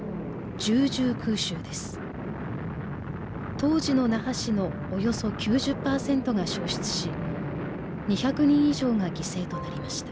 当時の那覇市のおよそ９０％が消失し２００人以上が犠牲となりました。